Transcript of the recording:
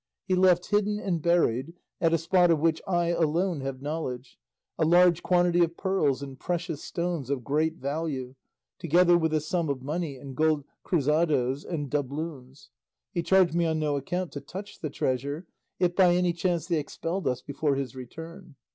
He left hidden and buried, at a spot of which I alone have knowledge, a large quantity of pearls and precious stones of great value, together with a sum of money in gold cruzadoes and doubloons. He charged me on no account to touch the treasure, if by any chance they expelled us before his return.